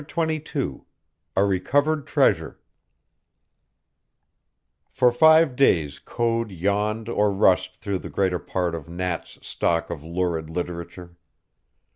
CHAPTER XXII A RECOVERED TREASURE For five days Code yawned or rushed through the greater part of Nat's stock of lurid literature.